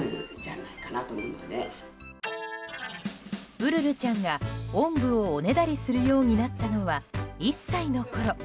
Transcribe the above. ウルルちゃんが、おんぶをおねだりするようになったのは１歳のころ。